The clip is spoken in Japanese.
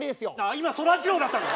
今そらジローだったの？